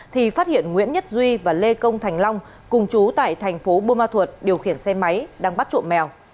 thì phát hiện nguyễn nhất duy và lê công thành long cùng chú tại thành phố bô ma thuật điều khiển xe máy đang bắt trộm mèo